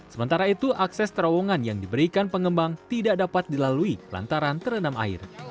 sementara itu akses terowongan yang diberikan pengembang tidak dapat dilalui lantaran terendam air